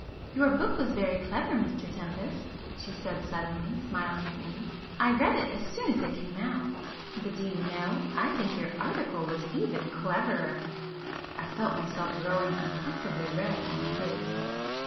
"Your book was very clever, Mr Tempest"—she said suddenly, smiling at me—"I read it as soon as it came out. But do you know I think your article was even cleverer?" I felt myself growing uncomfortably red in the face.